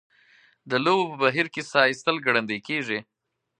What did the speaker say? د لوبو په بهیر کې ساه ایستل ګړندۍ کیږي.